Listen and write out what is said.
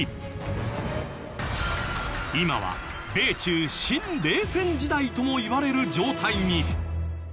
今は米中新冷戦時代ともいわれる状態に。